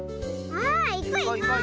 あいこういこう。